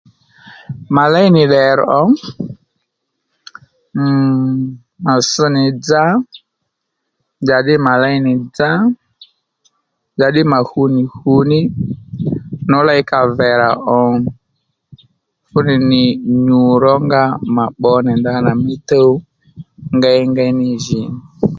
Mà léy nì ddèrr̀ ò m m mà ss nì dza njàddǐ mà léy nì dzá njǎddǐ mà hu nì hù ní nǔ ley kàvèrà ò fúnì nì nyù rónga mà pbo nì ndanà mí tuw ngéy ngéy ní jì